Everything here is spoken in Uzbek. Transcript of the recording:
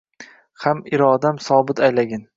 Ham irodam sobit aylagin.